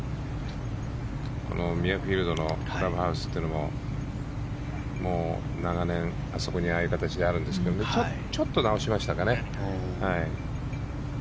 ミュアフィールドのクラブハウスというのも長年、あそこにああいう形であるんですがちょっと直しましたかね。